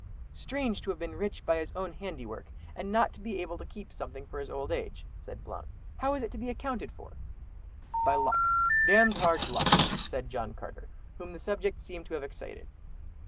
"Strange to have been rich by his own handiwork, and not to be able to keep something for his old age," said Blount; "how is it to be accounted for?" "By luck, d—d hard luck!" said John Carter, whom the subject seemed to have excited.